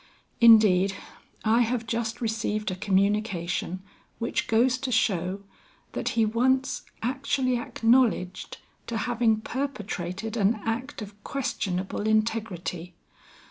Indeed, I have just received a communication which goes to show, that he once actually acknowledged to having perpetrated an act of questionable integrity.